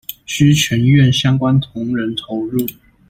需全院相關同仁投入